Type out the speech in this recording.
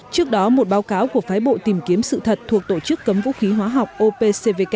trước đó một báo cáo của phái bộ tìm kiếm sự thật thuộc tổ chức cấm vũ khí hóa học opcvk